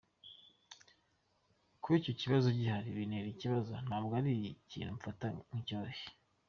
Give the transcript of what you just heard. Kuba icyo kibazo gihari bintera ikibazo ntabwo ari ikintu mfata nk'icyoroshye.